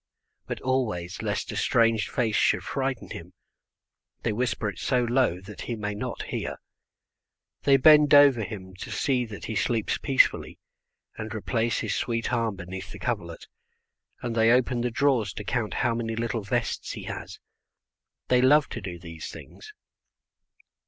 but always, lest a strange face should frighten him, they whisper it so low that he may not hear. They bend over him to see that he sleeps peacefully, and replace his sweet arm beneath the coverlet, and they open the drawers to count how many little vests he has. They love to do these things.